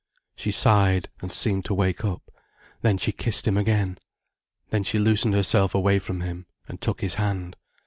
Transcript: She sighed, and seemed to wake up, then she kissed him again. Then she loosened herself away from him and took his hand.